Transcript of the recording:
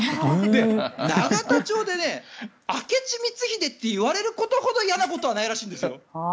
永田町で明智光秀といわれることほど嫌なことはないらしいんです。